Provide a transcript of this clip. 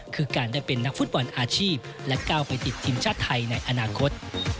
คือการได้เป็นนักฟุตบอลอาชีพและก้าวไปติดทีมชาติไทยในอนาคต